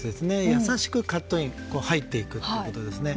優しく入っていくということですね。